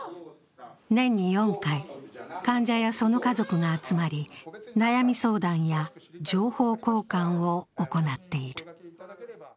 年に４回、患者やその家族が集まり、悩み相談や情報交換を行っている。